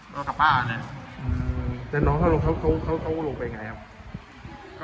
แล้วกับป้าอันนี้อืมแต่น้องเขาเขาเขาเขาลงไปยังไงครับ